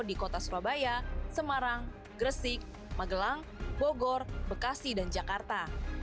di kota surabaya semarang gresik magelang bogor bekasi dan jakarta